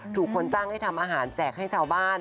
คนจ้างให้ทำอาหารแจกให้ชาวบ้าน